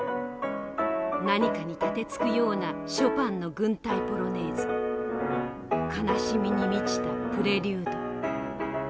何かに盾つくようなショパンの『軍隊ポロネーズ』悲しみに満ちた『プレリュード』。